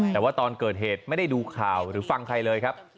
แต่ว่าตอนเกิดเหตุไม่ได้ดูข่าวหรือฟังใครเลยครับ